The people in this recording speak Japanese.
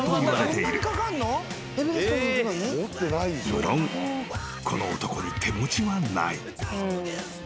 ［むろんこの男に手持ちはない］